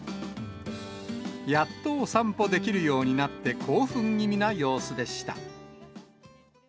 やっとお散歩できるようになって、興奮気味な様子でした。